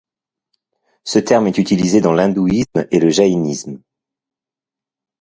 Ce terme est utilisé dans l'hindouisme et le jaïnisme.